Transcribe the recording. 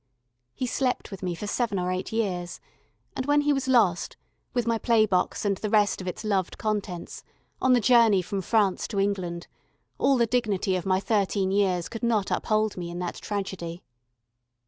He slept with me for seven or eight years, and when he was lost, with my play box and the rest of its loved contents, on the journey from France to England, all the dignity of my thirteen years could not uphold me in that tragedy.